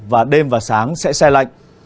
và đêm và sáng sẽ xe lạnh